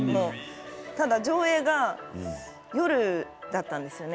ただ上映が夜だったんですよね。